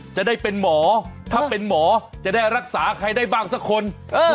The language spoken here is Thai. จะได้เป็นหมอถ้าเป็นหมอจะได้รักษาใครได้บ้างสักคน